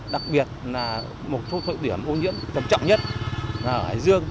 đặc biệt là một số điểm ô nhiễm trầm trọng nhất là ở hải dương